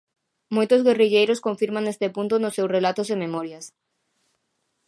Moitos guerrilleiros confirman este punto nos seus relatos e memorias.